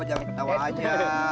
jangan ketawa aja